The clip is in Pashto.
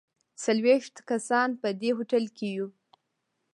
څلوېښت کسان په دې هوټل کې یو.